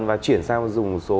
và chuyển sang dùng số